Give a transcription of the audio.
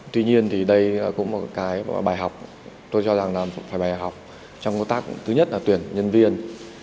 tuy nhiên thì đây cũng là một cái bài học tôi cho rằng là phải bài học trong công tác thứ nhất là tuyển nhân viên